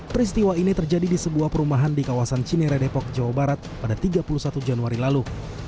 peristiwa ini terjadi di sebuah perumahan di kawasan cinere depok jawa barat pada tiga puluh satu januari lalu